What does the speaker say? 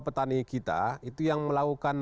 petani kita itu yang melakukan